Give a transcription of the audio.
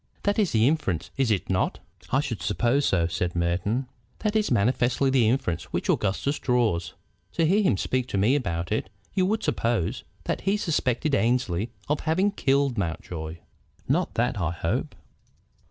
That is the inference, is it not?" "I should suppose so," said Merton. "That is manifestly the inference which Augustus draws. To hear him speak to me about it you would suppose that he suspected Annesley of having killed Mountjoy." "Not that, I hope."